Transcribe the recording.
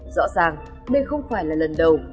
rõ ràng đây không phải là lần đầu